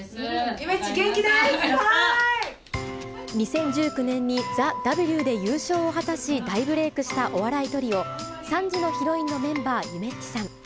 ゆめっち、２０１９年にＴＨＥＷで優勝を果たし大ブレークしたお笑いトリオ、３時のヒロインのメンバー、ゆめっちさん。